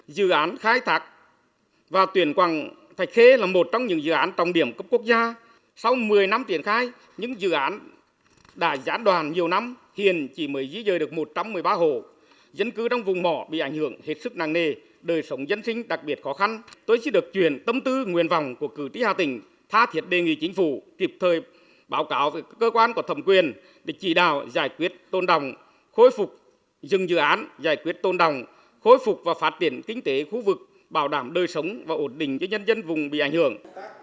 đại quyết tôn đồng khối phục và phát triển kinh tế khu vực bảo đảm đời sống và ổn định cho nhân dân vùng bị ảnh hưởng